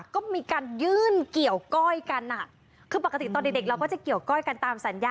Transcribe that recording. ก็มีการยื่นเกี่ยวก้อยกันอ่ะคือปกติตอนเด็กเด็กเราก็จะเกี่ยวก้อยกันตามสัญญา